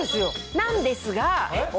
なんですが？